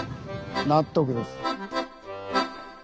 納得です。